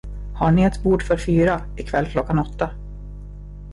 Har ni ett bord för fyra, ikväll klockan åtta?